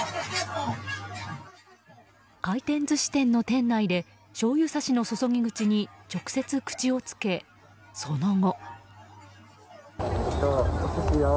回転寿司店の店内でしょうゆ差しの注ぎ口に直接口をつけ、その後。